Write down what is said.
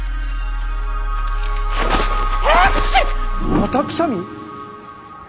・・またくしゃみ？